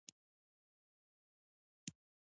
دښمن د نفاق اور بلوي